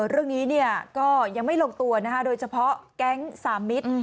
เรื่องนี้ก็ยังไม่ลงตัวโดยเฉพาะแก๊งสามมิตร